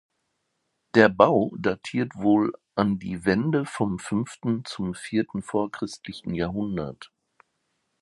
Der Bau datiert wohl an die Wende vom fünften zum vierten vorchristlichen Jahrhundert.